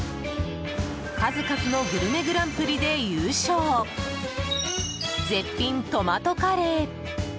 数々のグルメグランプリで優勝絶品トマトカレー。